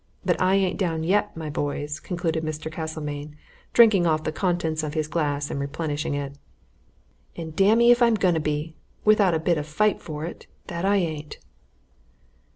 But I ain't down yet, my boys!" concluded Mr. Castlemayne, drinking off the contents of his glass, and replenishing it. "And damme if I'm going to be, without a bit of a fight for it, that I ain't!"